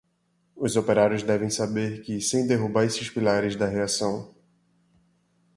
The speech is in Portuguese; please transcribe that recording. Os operários devem saber que sem derrubar estes pilares da reação